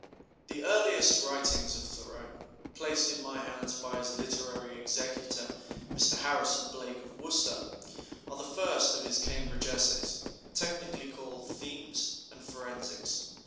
The earliest writings of Thoreau, placed in my hands by his literary executor, Mr. Harrison Blake of Worcester, are the first of his Cambridge essays, technically called "themes" and "forensics."